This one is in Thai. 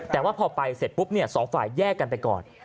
แต่ว่าพอไปเสร็จปุ๊บสองฝ่ายแยกกันไปก่อน